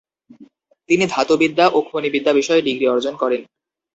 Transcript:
তিনি ধাতুবিদ্যা ও খনিবিদ্যা বিষয়ে ডিগ্রি অর্জন করেন।